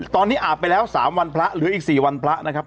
ตอนนี้อาบไปแล้ว๓วันพระเหลืออีก๔วันพระนะครับ